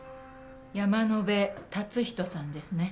山野辺達仁さんですね？